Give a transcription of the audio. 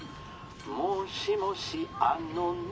・「もしもしあのね